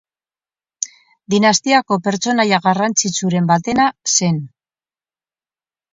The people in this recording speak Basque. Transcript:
Dinastiako pertsonaia garrantzitsuren batena zen.